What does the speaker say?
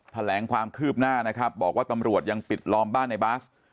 แถลงความคืบหน้านะครับบอกว่าตำรวจยังปิดล้อมบ้านในบาส